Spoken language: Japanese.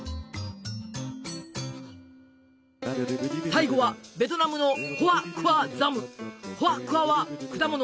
最後はベトナムの「ホア・クア」は果物。